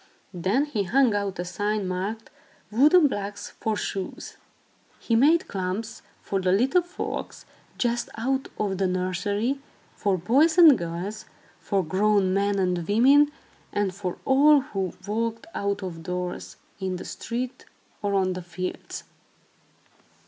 Then he hung out a sign, marked "Wooden blocks for shoes." He made klomps for the little folks just out of the nursery, for boys and girls, for grown men and women, and for all who walked out of doors, in the street or on the fields.